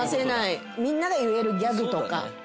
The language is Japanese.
みんなが言えるギャグとか。